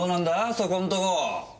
そこんとこ。